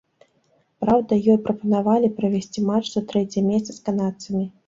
Праўда, ёй прапанавалі правесці матч за трэцяе месца з канадцамі.